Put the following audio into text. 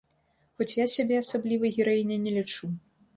Хоць я сябе асаблівай гераіняй не лічу.